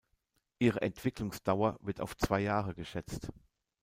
Ihre Entwicklungsdauer wird auf zwei Jahre geschätzt.